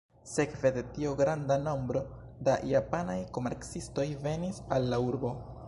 Sekve de tio granda nombro da japanaj komercistoj venis al la urbo.